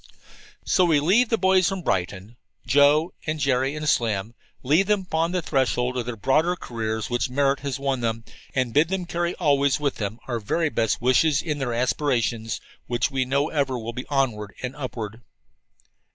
So we leave the boys from Brighton Joe and Jerry and Slim leave them upon the threshold of the broader careers which merit has won them, and bid them carry always with them our very best wishes in their aspirations which we know ever will be onward and upward.